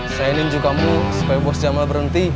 saya iniinjuk kamu supaya bos jamal berhenti